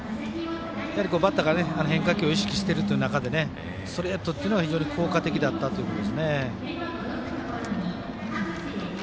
やはり、バッターが変化球を意識しているという中でストレートというのが非常に効果的だったということですね。